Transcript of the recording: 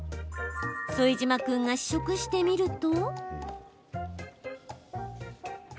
副島君が試食してみると。